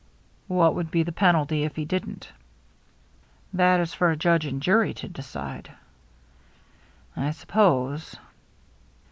" What would be the penalty if he didn't ?" "That is for a judge and jury to decide." " I suppose."